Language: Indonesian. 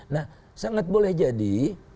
nah sangat boleh jadi